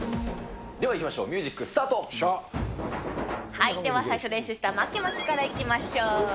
では、いきましょう、では最初、練習した巻き巻きからいきましょう。